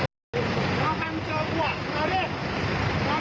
เยี่ยมมากครับ